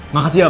makasih ya pak